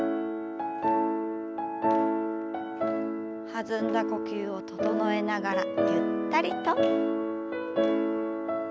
弾んだ呼吸を整えながらゆったりと。